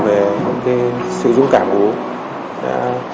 về sự dũng cảm của bố